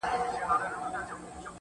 ما به له زړه درته ټپې په زړه کي وويلې~